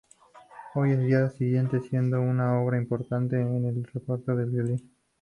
Hoy en día sigue siendo una obra importante en el repertorio de violín.